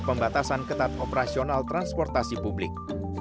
pembatasan ketat operasional transportasi publik